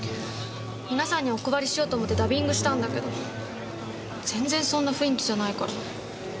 皆さんにお配りしようと思ってダビングしたんだけど全然そんな雰囲気じゃないから。